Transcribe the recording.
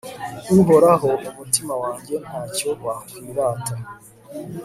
uhoraho, umutima wanjye nta cyo wakwiratana